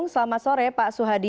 selamat sore pak suhadi